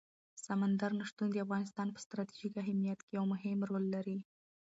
سمندر نه شتون د افغانستان په ستراتیژیک اهمیت کې یو ډېر مهم رول لري.